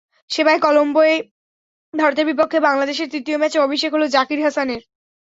সেবার কলম্বোয় ভারতের বিপক্ষে বাংলাদেশের তৃতীয় ম্যাচে অভিষেক হলো জাকির হাসানের।